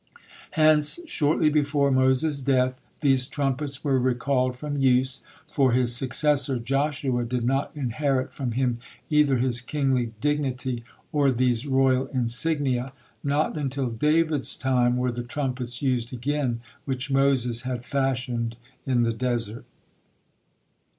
Hence shortly before Moses' death these trumpets were recalled from use, for his successor Joshua did not inherit from him either his kingly dignity or these royal insignia. Not until David's time were the trumpets used again which Moses had fashioned in the desert.